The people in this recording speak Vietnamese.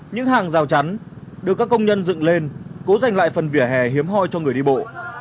những hàng rào chắn được các công nhân dựng lên cố dành lại phần vỉa hè hiếm hoi cho người đi bộ